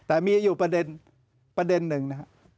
แต่มีอยู่ประเด็นหนึ่งนะครับ